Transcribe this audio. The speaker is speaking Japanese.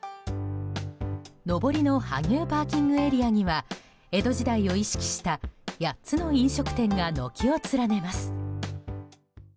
上りの羽生ＰＡには江戸時代を意識した８つの飲食店が軒を連ねます。